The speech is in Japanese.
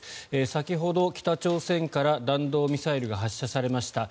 先ほど北朝鮮から弾道ミサイルが発射されました。